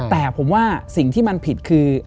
แต่ผมว่าสิ่งที่มันผิดคือ